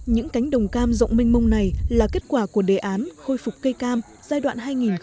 những cánh đồng cam rộng mênh mông này là kết quả của đề án khôi phục cây cam giai đoạn hai nghìn một mươi một hai nghìn hai mươi